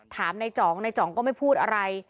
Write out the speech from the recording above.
ถามในจ๋องในจ๋องก็ไม่พูดอะไร